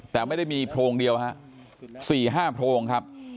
แต่ไม่ได้มีโพรงเดียวฮะ๔๕โพรงครับ